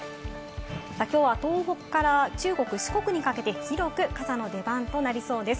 きょうは東北から中国・四国にかけて広く傘の出番となりそうです。